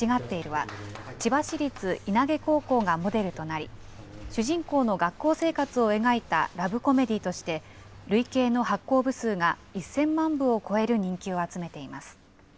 は千葉市立稲毛高校がモデルとなり、主人公の学校生活を描いたラブコメディーとして、累計の発行部数が１０００万部を超える人気を集めています。